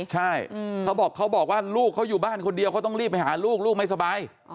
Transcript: ใช่เขาบอกเขาบอกว่าลูกเขาอยู่บ้านคนเดียวเขาต้องรีบไปหาลูกลูกไม่สบาย